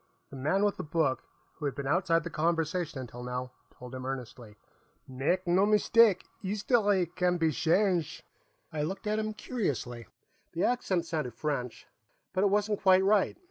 _" the man with the book, who had been outside the conversation until now, told him earnestly. "Make no mistake; 'istoree can be shange'!" I looked at him curiously. The accent sounded French, but it wasn't quite right.